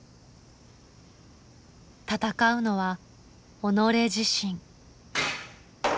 戦うのは己自身。